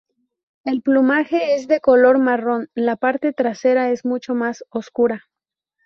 El plumaje es de color marrón, la parte trasera es mucho más oscura.